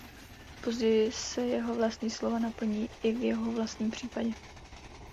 Později se jeho vlastní slova naplní i v jeho vlastním případě.